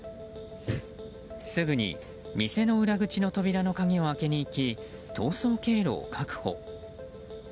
すぐに店の裏口の扉の鍵を開けに行き逃走経路を確保。